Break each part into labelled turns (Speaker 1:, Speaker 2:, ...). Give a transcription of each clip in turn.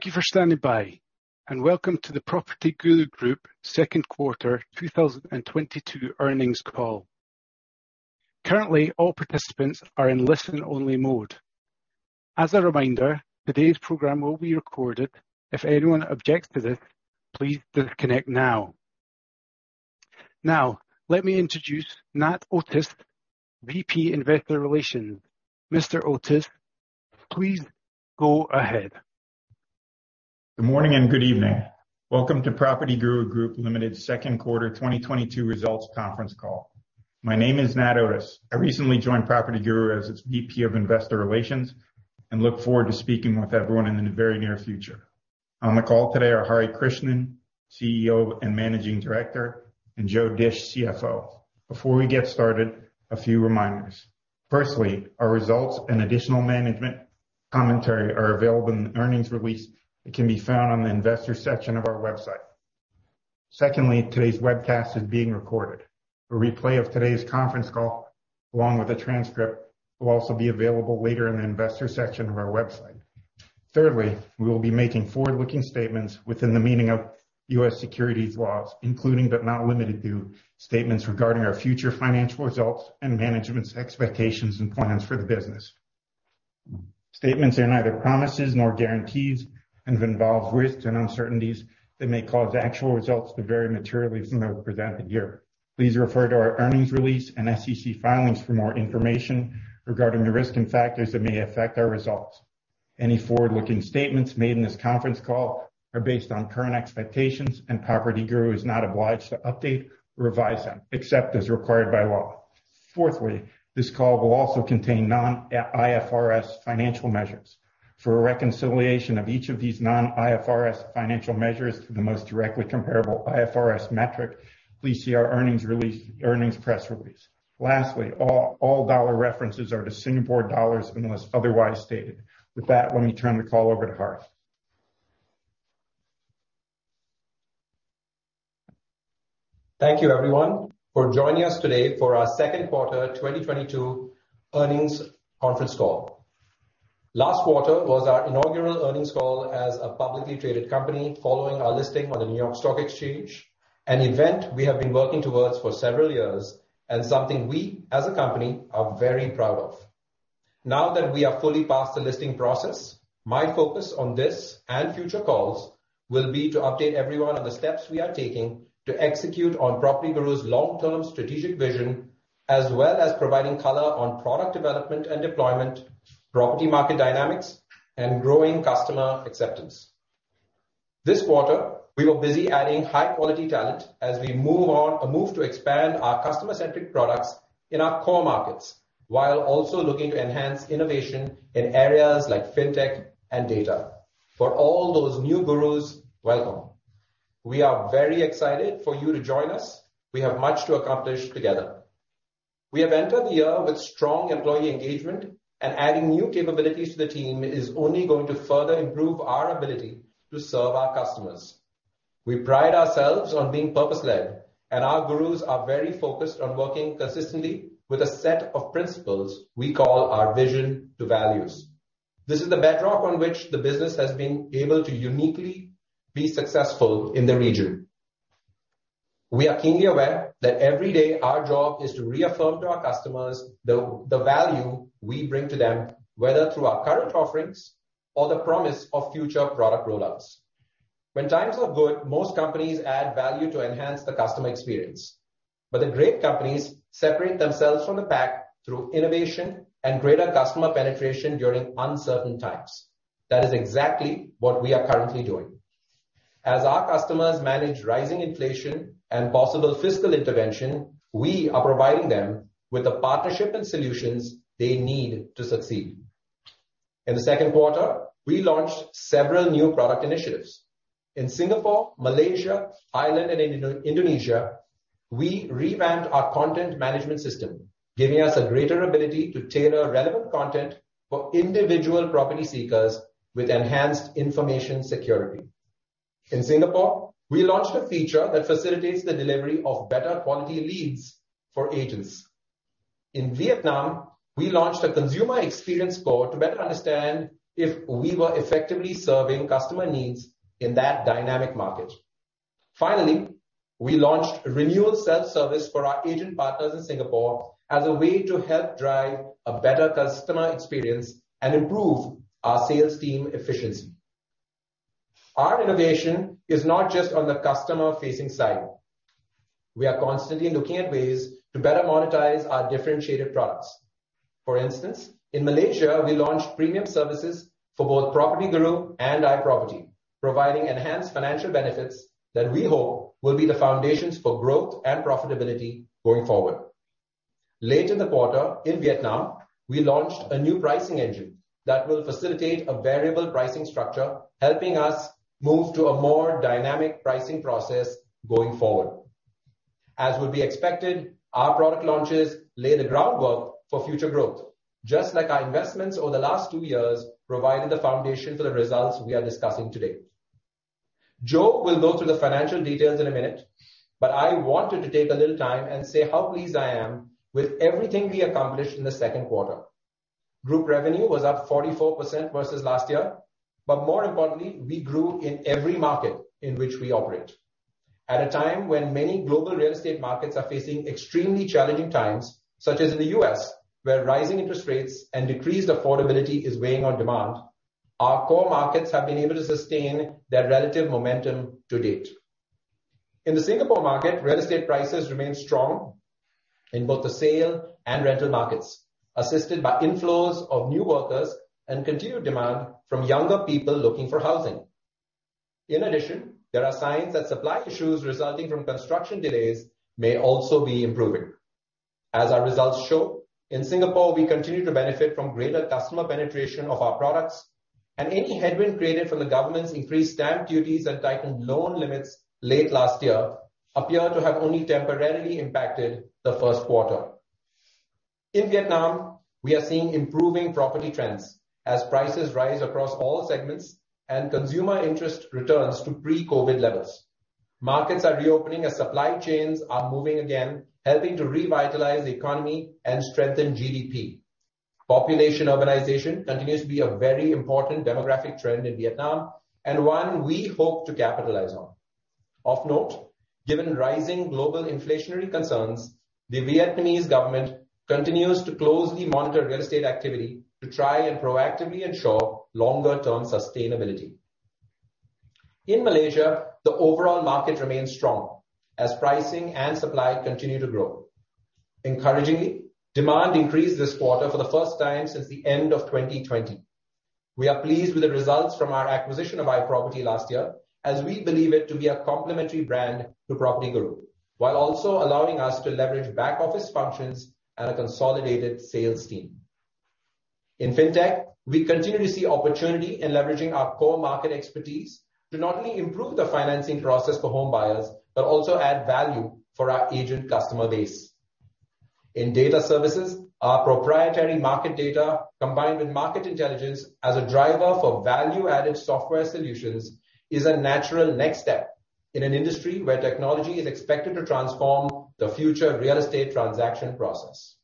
Speaker 1: Thank you for standing by, and welcome to the PropertyGuru Group Second Quarter 2022 Earnings Call. Currently, all participants are in listen-only mode. As a reminder, today's program will be recorded. If anyone objects to this, please disconnect now. Now, let me introduce Nat Otis, VP, Investor Relations. Mr. Otis, please go ahead.
Speaker 2: Good morning and good evening. Welcome to PropertyGuru Group Limited second quarter 2022 results conference call. My name is Nat Otis. I recently joined PropertyGuru as its VP of Investor Relations and look forward to speaking with everyone in the very near future. On the call today are Hari V. Krishnan, CEO and Managing Director and Joe Dische, CFO. Before we get started, a few reminders. Firstly, our results and additional management commentary are available in the earnings release that can be found on the investor section of our website. Secondly, today's webcast is being recorded. A replay of today's conference call, along with a transcript, will also be available later in the investor section of our website. Thirdly, we will be making forward-looking statements within the meaning of U.S. securities laws, including but not limited to, statements regarding our future financial results and management's expectations and plans for the business. Statements are neither promises nor guarantees and involve risks and uncertainties that may cause actual results to vary materially from those presented here. Please refer to our earnings release and SEC filings for more information regarding the risks and factors that may affect our results. Any forward-looking statements made in this conference call are based on current expectations, and PropertyGuru is not obliged to update or revise them except as required by law. Fourthly, this call will also contain non-IFRS financial measures. For a reconciliation of each of these non-IFRS financial measures to the most directly comparable IFRS metric, please see our earnings release, earnings press release. Lastly, all dollar references are to Singapore dollars unless otherwise stated. With that, let me turn the call over to Hari.
Speaker 3: Thank you everyone for joining us today for our second quarter 2022 earnings conference call. Last quarter was our inaugural earnings call as a publicly traded company following our listing on the New York Stock Exchange, an event we have been working towards for several years and something we as a company are very proud of. Now that we are fully past the listing process, my focus on this and future calls will be to update everyone on the steps we are taking to execute on PropertyGuru's long-term strategic vision, as well as providing color on product development and deployment, property market dynamics, and growing customer acceptance. This quarter, we were busy adding high quality talent as we move to expand our customer-centric products in our core markets, while also looking to enhance innovation in areas like fintech and data. For all those new Gurus, welcome. We are very excited for you to join us. We have much to accomplish together. We have entered the year with strong employee engagement, and adding new capabilities to the team is only going to further improve our ability to serve our customers. We pride ourselves on being purpose led, and our Gurus are very focused on working consistently with a set of principles we call our vision to values. This is the bedrock on which the business has been able to uniquely be successful in the region. We are keenly aware that every day our job is to reaffirm to our customers the value we bring to them, whether through our current offerings or the promise of future product rollouts. When times are good, most companies add value to enhance the customer experience. The great companies separate themselves from the pack through innovation and greater customer penetration during uncertain times. That is exactly what we are currently doing. As our customers manage rising inflation and possible fiscal intervention, we are providing them with the partnership and solutions they need to succeed. In the second quarter, we launched several new product initiatives. In Singapore, Malaysia, Thailand and Indonesia, we revamped our content management system, giving us a greater ability to tailor relevant content for individual property seekers with enhanced information security. In Singapore, we launched a feature that facilitates the delivery of better quality leads for agents. In Vietnam, we launched a consumer experience score to better understand if we were effectively serving customer needs in that dynamic market. Finally, we launched renewal self-service for our agent partners in Singapore as a way to help drive a better customer experience and improve our sales team efficiency. Our innovation is not just on the customer facing side. We are constantly looking at ways to better monetize our differentiated products. For instance, in Malaysia, we launched premium services for both PropertyGuru and iProperty, providing enhanced financial benefits that we hope will be the foundations for growth and profitability going forward. Late in the quarter, in Vietnam, we launched a new pricing engine that will facilitate a variable pricing structure, helping us move to a more dynamic pricing process going forward. As would be expected, our product launches lay the groundwork for future growth, just like our investments over the last two years provided the foundation for the results we are discussing today. Joe will go through the financial details in a minute, but I wanted to take a little time and say how pleased I am with everything we accomplished in the second quarter. Group revenue was up 44% versus last year, but more importantly, we grew in every market in which we operate. At a time when many global real estate markets are facing extremely challenging times, such as the U.S., where rising interest rates and decreased affordability is weighing on demand. Our core markets have been able to sustain their relative momentum to date. In the Singapore market, real estate prices remain strong in both the sale and rental markets, assisted by inflows of new workers and continued demand from younger people looking for housing. In addition, there are signs that supply issues resulting from construction delays may also be improving. As our results show, in Singapore, we continue to benefit from greater customer penetration of our products and any headwind created from the government's increased stamp duties and tightened loan limits late last year appear to have only temporarily impacted the first quarter. In Vietnam, we are seeing improving property trends as prices rise across all segments and consumer interest returns to pre-COVID levels. Markets are reopening as supply chains are moving, again helping to revitalize the economy and strengthen GDP. Population urbanization continues to be a very important demographic trend in Vietnam and one we hope to capitalize on. Of note, given rising global inflationary concerns, the Vietnamese government continues to closely monitor real estate activity to try and proactively ensure longer term sustainability. In Malaysia, the overall market remains strong as pricing and supply continue to grow. Encouragingly, demand increased this quarter for the first time since the end of 2020. We are pleased with the results from our acquisition of iProperty last year as we believe it to be a complementary brand to PropertyGuru, while also allowing us to leverage back office functions and a consolidated sales team. In fintech, we continue to see opportunity in leveraging our core market expertise to not only improve the financing process for home buyers, but also add value for our agent customer base. In data services, our proprietary market data, combined with market intelligence as a driver for value-added software solutions, is a natural next step in an industry where technology is expected to transform the future real estate transaction process.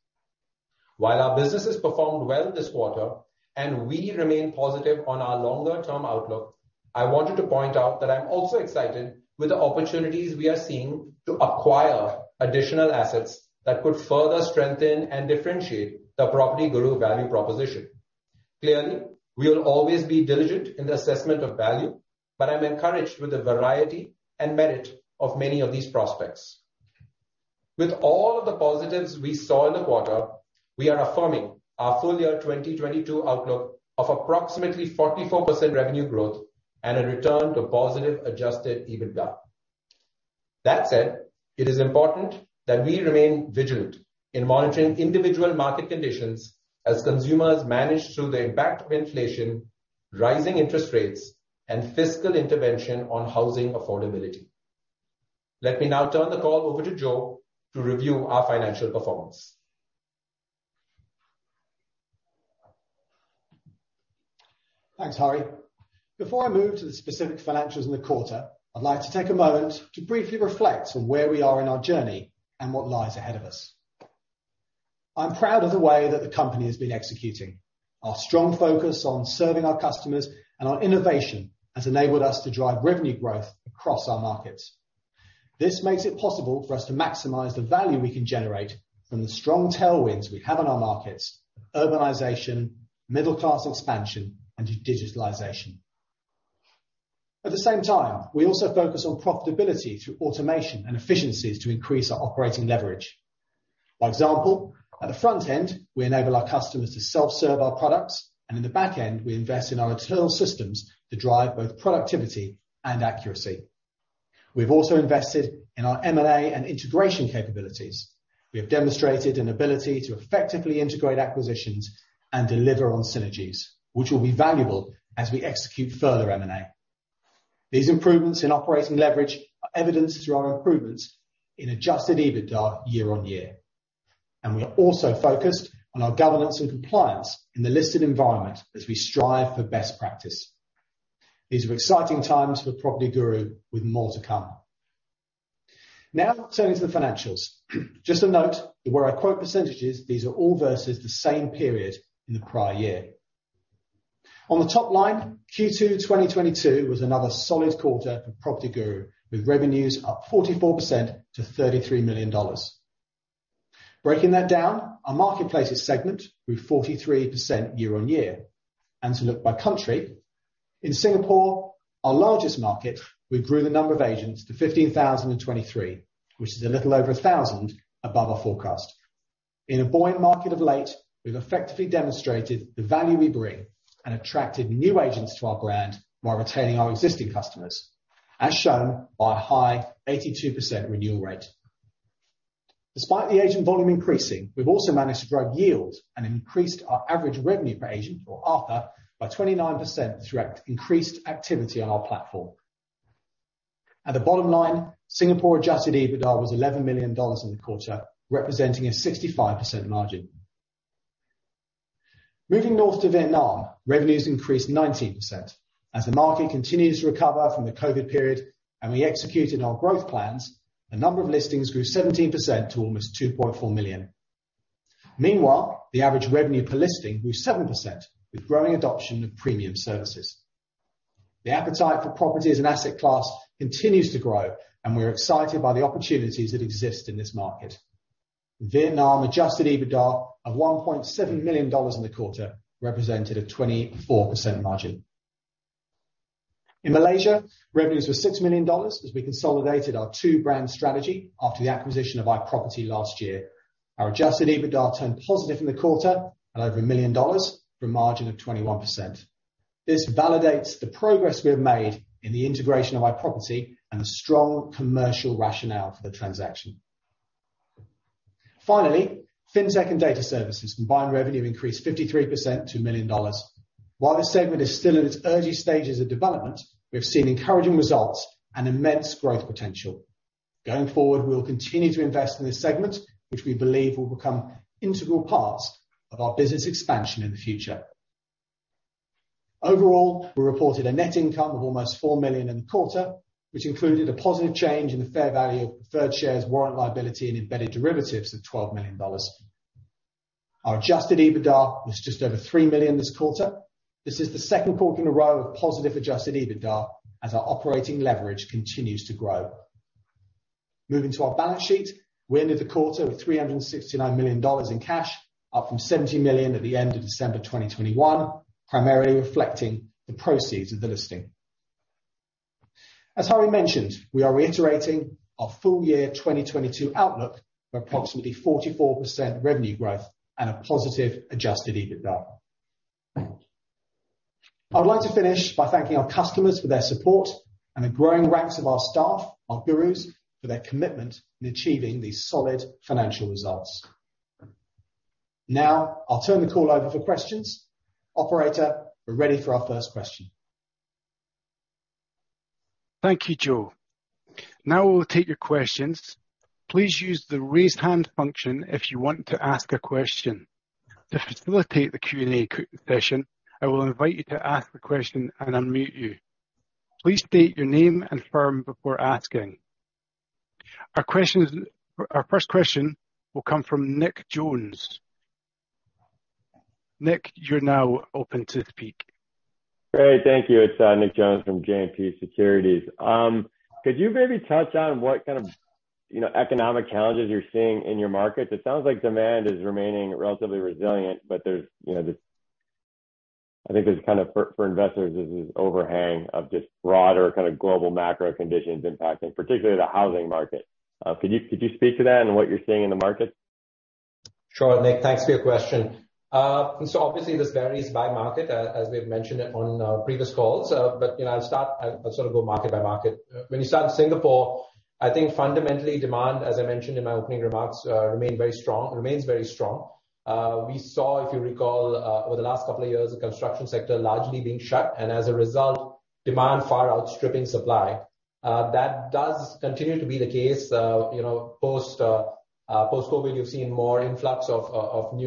Speaker 3: While our businesses performed well this quarter and we remain positive on our longer term outlook, I wanted to point out that I'm also excited with the opportunities we are seeing to acquire additional assets that could further strengthen and differentiate the PropertyGuru value proposition. Clearly, we will always be diligent in the assessment of value, but I'm encouraged with the variety and merit of many of these prospects. With all of the positives we saw in the quarter, we are affirming our full year 2022 outlook of approximately 44% revenue growth and a return to +Adjusted EBITDA. That said, it is important that we remain vigilant in monitoring individual market conditions as consumers manage through the impact of inflation, rising interest rates, and fiscal intervention on housing affordability. Let me now turn the call over to Joe to review our financial performance.
Speaker 4: Thanks Hari before I move to the specific financials in the quarter, I'd like to take a moment to briefly reflect on where we are in our journey and what lies ahead of us. I'm proud of the way that the company has been executing. Our strong focus on serving our customers and our innovation has enabled us to drive revenue growth across our markets. This makes it possible for us to maximize the value we can generate from the strong tailwinds we have in our markets. Urbanization, middle class expansion, and digitalization. At the same time, we also focus on profitability through automation and efficiencies to increase our operating leverage. For example, at the front end, we enable our customers to self-serve our products, and in the back end, we invest in our internal systems to drive both productivity and accuracy. We've also invested in our M&A and integration capabilities. We have demonstrated an ability to effectively integrate acquisitions and deliver on synergies, which will be valuable as we execute further M&A. These improvements in operating leverage are evidenced through our improvements in Adjusted EBITDA year-on-year. We are also focused on our governance and compliance in the listed environment as we strive for best practice. These are exciting times for PropertyGuru with more to come. Now turning to the financials. Just a note, where I quote percentages, these are all versus the same period in the prior year. On the top line, Q2 2022 was another solid quarter for PropertyGuru, with revenues up 44% to $33 million. Breaking that down, our marketplaces segment grew 43% year-on-year. To look by country, in Singapore, our largest market, we grew the number of agents to 15,023, which is a little over 1,000 above our forecast. In a buoyant market of late, we've effectively demonstrated the value we bring and attracted new agents to our brand while retaining our existing customers, as shown by a high 82% renewal rate. Despite the agent volume increasing, we've also managed to grow yield and increased our average revenue per agent or ARPA by 29% throughout increased activity on our platform. At the bottom line, Singapore Adjusted EBITDA was $11 million in the quarter, representing a 65% margin. Moving north to Vietnam, revenues increased 19%. As the market continues to recover from the COVID period and we executed our growth plans, the number of listings grew 17% to almost 2.4 million. Meanwhile, the average revenue per listing grew 7% with growing adoption of premium services. The appetite for property as an asset class continues to grow, and we are excited by the opportunities that exist in this market. Vietnam Adjusted EBITDA of $1.7 million in the quarter represented a 24% margin. In Malaysia, revenues were $6 million as we consolidated our two-brand strategy after the acquisition of iProperty last year. Our Adjusted EBITDA turned positive in the quarter at over 1 million dollars for a margin of 21%. This validates the progress we have made in the integration of iProperty and the strong commercial rationale for the transaction. Finally, Fintech and Data Services combined revenue increased 53% to $1 million. While this segment is still in its early stages of development, we have seen encouraging results and immense growth potential. Going forward, we will continue to invest in this segment, which we believe will become integral parts of our business expansion in the future. Overall, we reported a net income of almost $4 million in the quarter, which included a positive change in the fair value of preferred shares, warrant liability, and embedded derivatives of $12 million. Our Adjusted EBITDA was just over $3 million this quarter. This is the second quarter in a row of +Adjusted EBITDA as our operating leverage continues to grow. Moving to our balance sheet, we ended the quarter with $369 million in cash, up from $70 million at the end of December 2021, primarily reflecting the proceeds of the listing. As Hari mentioned, we are reiterating our full year 2022 outlook for approximately 44% revenue growth and a +Adjusted EBITDA. I would like to finish by thanking our customers for their support and the growing ranks of our staff, our gurus, for their commitment in achieving these solid financial results. Now, I'll turn the call over for questions. Operator, we're ready for our first question.
Speaker 1: Thank you, Joe. Now we'll take your questions. Please use the Raise Hand function if you want to ask a question. To facilitate the Q&A session, I will invite you to ask the question and unmute you. Please state your name and firm before asking. Our first question will come from Nick Jones. Nick you're now open to speak.
Speaker 5: Great thank you it's Nick Jones from JMP Securities. Could you maybe touch on what kind of, you know, economic challenges you're seeing in your markets? It sounds like demand is remaining relatively resilient, but there's, you know, this. I think there's kind of for investors, there's this overhang of just broader kind of global macro conditions impacting, particularly the housing market. Could you speak to that and what you're seeing in the markets?
Speaker 3: Sure Nick thanks for your question. Obviously, this varies by market as we've mentioned it on previous calls. You know, I'll start. I'll sort of go market by market. When you start in Singapore, I think fundamentally demand, as I mentioned in my opening remarks, remains very strong. We saw, if you recall, over the last couple of years, the construction sector largely being shut, and as a result, demand far outstripping supply. That does continue to be the case. You know, post-COVID, you've seen more influx of new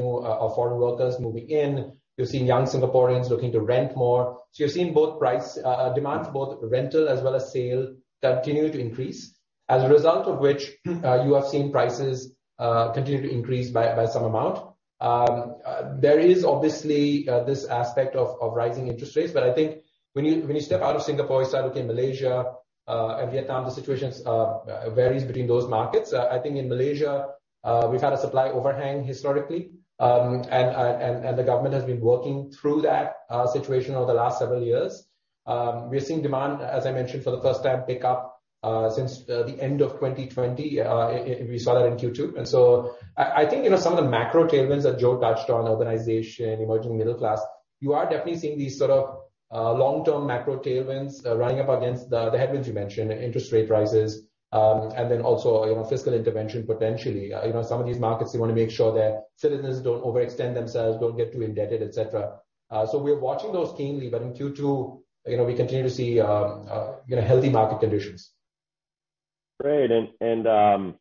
Speaker 3: foreign workers moving in. You've seen young Singaporeans looking to rent more. You're seeing both price demands, both rental as well as sale continue to increase. As a result of which, you have seen prices continue to increase by some amount. There is obviously this aspect of rising interest rates, but I think when you step out of Singapore, you start looking at Malaysia and Vietnam, the situations vary between those markets. I think in Malaysia, we've had a supply overhang historically. The government has been working through that situation over the last several years. We're seeing demand, as I mentioned, for the first time pick up since the end of 2020. We saw that in Q2. I think, you know, some of the macro tailwinds that Joe touched on, urbanization, emerging middle class, you are definitely seeing these sort of long-term macro tailwinds running up against the headwinds you mentioned, interest rate rises, and then also, you know, fiscal intervention, potentially. You know, some of these markets, they wanna make sure that citizens don't overextend themselves, don't get too indebted, et cetera. We're watching those keenly, but in Q2, you know, we continue to see you know, healthy market conditions.
Speaker 5: Great. You know,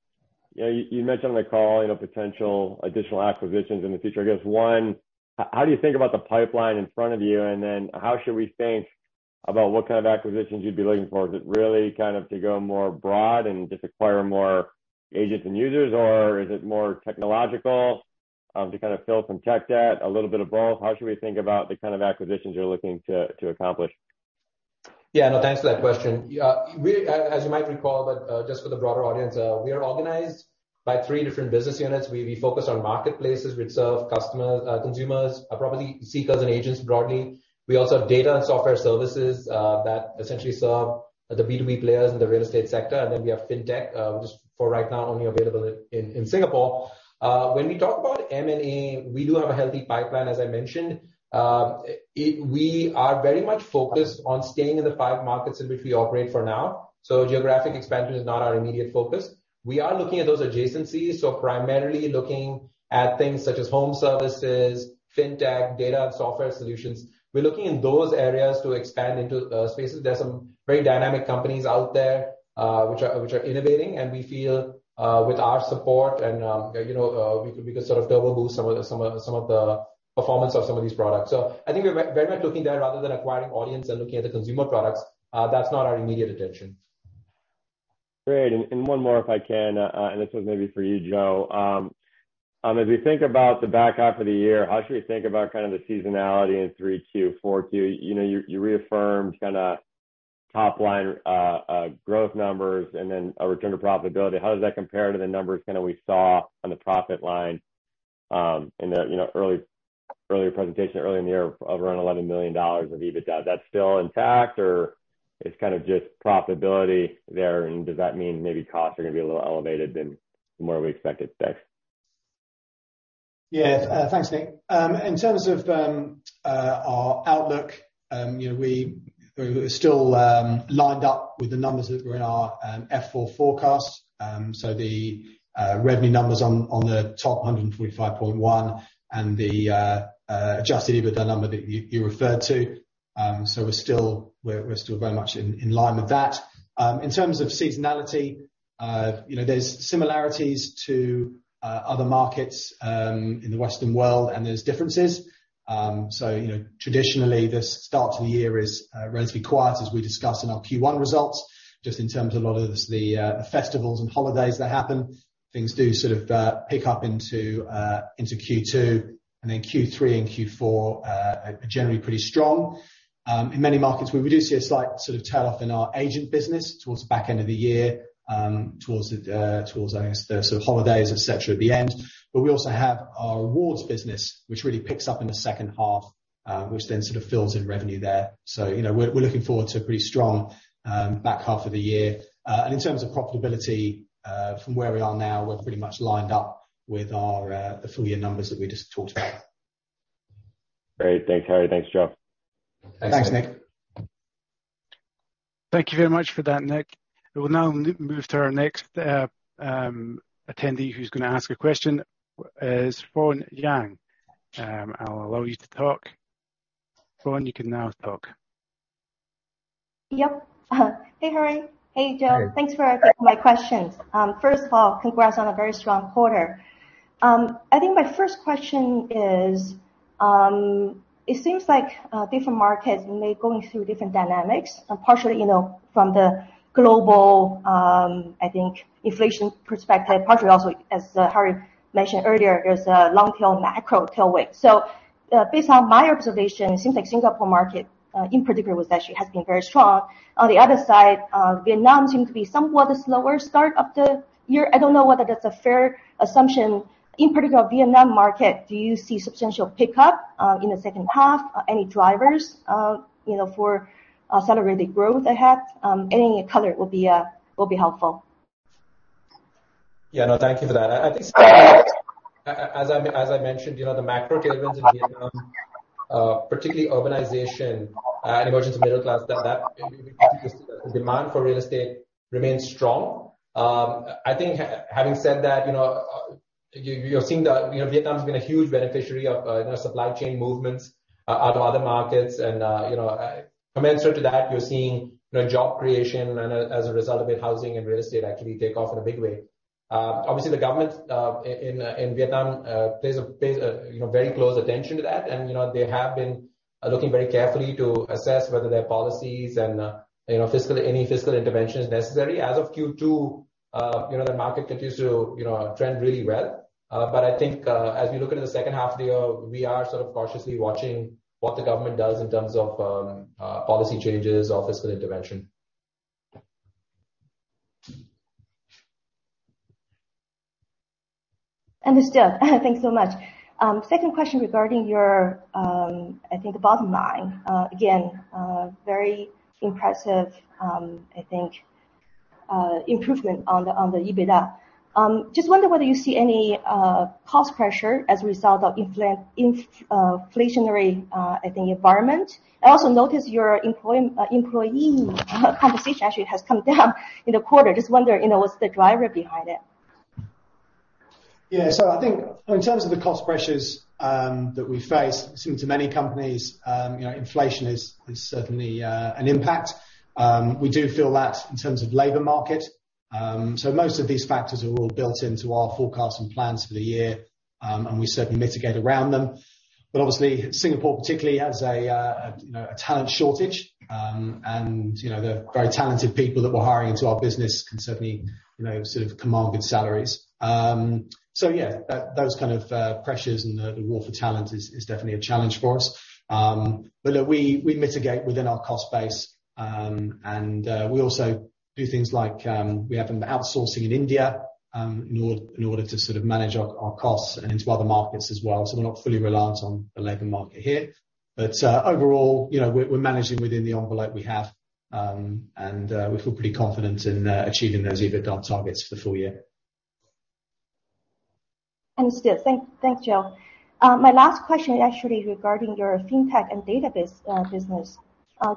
Speaker 5: you mentioned on the call, you know, potential additional acquisitions in the future. I guess, one, how do you think about the pipeline in front of you? How should we think about what kind of acquisitions you'd be looking for? Is it really kind of to go more broad and just acquire more agents and users? Is it more technological, to kind of fill some tech debt, a little bit of both? How should we think about the kind of acquisitions you're looking to accomplish?
Speaker 3: Yeah, no, thanks for that question. Yeah, as you might recall, but just for the broader audience, we are organized by three different business units. We focus on marketplaces which serve customers, consumers, property seekers and agents broadly. We also have Data and Software Solutions that essentially serve the B2B players in the real estate sector. We have Fintech, which is for right now only available in Singapore. When we talk about M&A, we do have a healthy pipeline, as I mentioned. We are very much focused on staying in the five markets in which we operate for now. Geographic expansion is not our immediate focus. We are looking at those adjacencies, so primarily looking at things such as home services, fintech, Data and Software Solutions. We're looking in those areas to expand into spaces. There's some very dynamic companies out there which are innovating, and we feel with our support and you know we could sort of double boost some of the performance of some of these products. I think we're very much looking there rather than acquiring audience and looking at the consumer products. That's not our immediate attention.
Speaker 5: Great. One more if I can, and this one's maybe for you, Joe. As we think about the back half of the year, how should we think about kind of the seasonality in 3Q, 4Q? You know, you reaffirmed kind of top line growth numbers and then a return to profitability. How does that compare to the numbers kind of we saw on the profit line, in the you know earlier presentation earlier in the year of around $11 million of EBITDA? Is that still intact or it's kind of just profitability there and does that mean maybe costs are gonna be a little elevated more than we expected? Thanks.
Speaker 4: Yeah thanks Nick in terms of our outlook, you know, we're still lined up with the numbers that were in our Form F-4 forecast. The revenue numbers on the top line, $145.1 million, and the Adjusted EBITDA number that you referred to. We're still very much in line with that. In terms of seasonality, you know, there's similarities to other markets in the Western world, and there's differences. You know, traditionally this start of the year is relatively quiet as we discussed in our Q1 results, just in terms of a lot of the festivals and holidays that happen. Things do sort of pick up into Q2, and then Q3 and Q4 are generally pretty strong. In many markets we do see a slight sort of tail off in our agent business towards the back end of the year, towards I guess the sort of holidays et cetera at the end. We also have our awards business, which really picks up in the second half, which then sort of fills in revenue there. You know, we're looking forward to a pretty strong back half of the year. In terms of profitability, from where we are now, we're pretty much lined up with our full year numbers that we just talked about.
Speaker 5: Great thanks Hari. Thanks Joe.
Speaker 4: Thanks, Nick.
Speaker 1: Thank you very much for that, Nick. We'll now move to our next attendee who's gonna ask a question, is Fawne Jiang. I'll allow you to talk. Fawne, you can now talk.
Speaker 6: Yep. Hey Hari. Hey Joe.
Speaker 4: Hey.
Speaker 6: Thanks for taking my questions. First of all, congrats on a very strong quarter. I think my first question is, it seems like different markets may going through different dynamics and partially, you know, from the global, I think inflation perspective, partially also as Hari mentioned earlier, there's a long tail macro tailwind. Based on my observation, it seems like Singapore market, in particular was actually has been very strong. On the other side, Vietnam seemed to be somewhat a slower start of the year. I don't know whether that's a fair assumption. In particular Vietnam market, do you see substantial pickup, in the second half? Any drivers, you know, for accelerated growth ahead? Any color will be helpful.
Speaker 3: Yeah, no, thank you for that. As I mentioned, you know, the macro tailwinds in Vietnam, particularly urbanization and emergence of middle class, that demand for real estate remains strong. Having said that, you know, you're seeing the. You know, Vietnam's been a huge beneficiary of, you know, supply chain movements out of other markets. And, you know, commensurate to that, you're seeing, you know, job creation and, as a result of it, housing and real estate actually take off in a big way. Obviously the government in Vietnam pays, you know, very close attention to that. And, you know, they have been looking very carefully to assess whether their policies and, you know, fiscal, any fiscal intervention is necessary. As of Q2, you know, the market continues to, you know, trend really well. I think, as we look into the second half of the year, we are sort of cautiously watching what the government does in terms of, policy changes or fiscal intervention.
Speaker 6: Understood. Thanks so much. Second question regarding your, I think the bottom line. Again, very impressive, I think, improvement on the EBITDA. Just wonder whether you see any cost pressure as a result of inflationary, I think environment. I also notice your employee compensation actually has come down in the quarter. Just wonder, you know, what's the driver behind it?
Speaker 4: Yeah. I think in terms of the cost pressures that we face similar to many companies, you know, inflation is certainly an impact. We do feel that in terms of labor market. Most of these factors are all built into our forecasts and plans for the year. We certainly mitigate around them. Obviously Singapore particularly has a talent shortage. You know, the very talented people that we're hiring into our business can certainly, you know, sort of command good salaries. Yeah, those kind of pressures and the war for talent is definitely a challenge for us. Look, we mitigate within our cost base. We also do things like we have outsourcing in India in order to sort of manage our costs and into other markets as well. We're not fully reliant on the labor market here. Overall, you know, we're managing within the envelope we have. We feel pretty confident in achieving those EBITDA targets for the full year.
Speaker 6: Understood. Thanks Joe. My last question actually regarding your FinTech and Data business.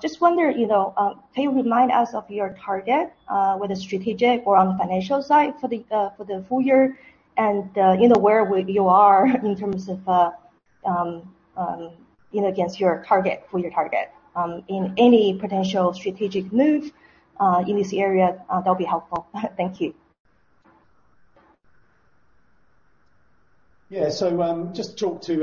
Speaker 6: Just wonder, you know, can you remind us of your target, whether strategic or on the financial side for the full year? You know, where you are in terms of, you know, against your target, full year target. Any potential strategic move in this area, that'll be helpful. Thank you.
Speaker 4: Yeah. Just talk to,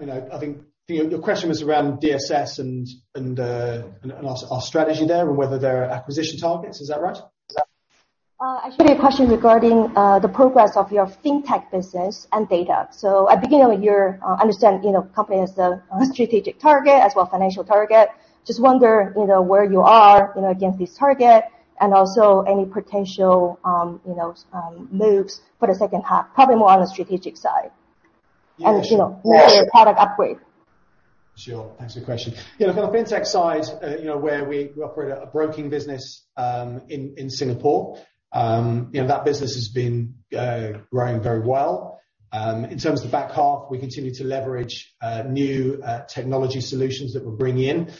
Speaker 4: you know, I think, you know, your question was around DSS and our strategy there and whether there are acquisition targets? Is that right?
Speaker 6: Actually a question regarding the progress of your fintech business and data. At beginning of year, understand, you know, company has a strategic target as well financial target. Just wonder, you know, where you are, you know, against this target and also any potential, you know, moves for the second half, probably more on the strategic side.
Speaker 4: Yeah.
Speaker 6: You know, maybe a product upgrade.
Speaker 4: Sure. Thanks for the question. You know, from a fintech side, you know, where we operate a broking business in Singapore, you know, that business has been growing very well. In terms of the back half, we continue to leverage new technology solutions that we're bringing in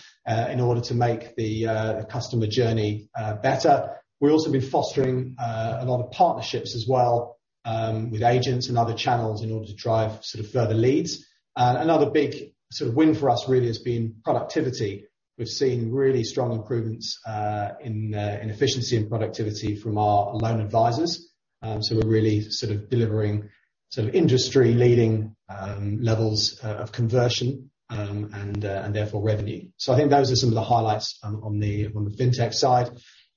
Speaker 4: in order to make the customer journey better. We've also been fostering a lot of partnerships as well with agents and other channels in order to drive sort of further leads. Another big sort of win for us really has been productivity. We've seen really strong improvements in efficiency and productivity from our loan advisors. We're really sort of delivering sort of industry-leading levels of conversion and therefore revenue. I think those are some of the highlights on the fintech side.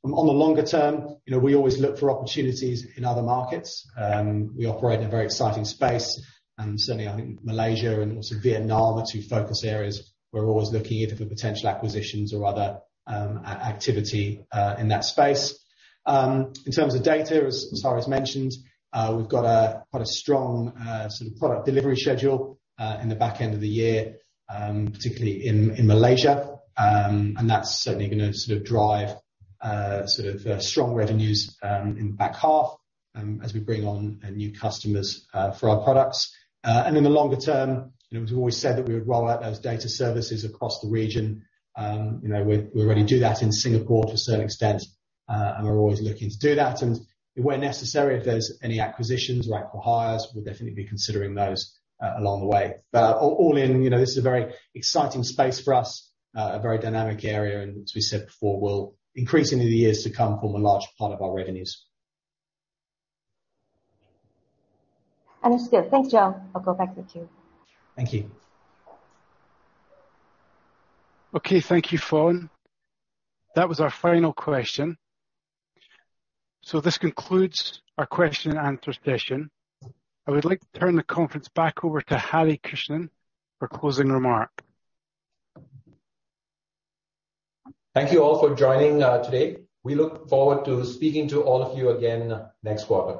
Speaker 4: On the longer term, you know, we always look for opportunities in other markets. We operate in a very exciting space, and certainly I think Malaysia and also Vietnam are two focus areas we're always looking at for potential acquisitions or other activity in that space. In terms of data, as Hari's mentioned, we've got quite a strong sort of product delivery schedule in the back end of the year, particularly in Malaysia. That's certainly gonna sort of drive strong revenues in the back half as we bring on new customers for our products. In the longer term, you know, as we've always said that we would roll out those data services across the region. You know, we already do that in Singapore to a certain extent, and we're always looking to do that. Where necessary, if there's any acquisitions or acqui-hires, we'll definitely be considering those, along the way. All in, you know, this is a very exciting space for us, a very dynamic area. As we said before, will increase in the years to come to form a large part of our revenues.
Speaker 6: Understood. Thanks Joe. I'll go back to the queue.
Speaker 4: Thank you.
Speaker 1: Okay. Thank you Fawne. That was our final question. This concludes our question and answer session. I would like to turn the conference back over to Hari Krishnan for closing remark.
Speaker 3: Thank you all for joining, today. We look forward to speaking to all of you again next quarter.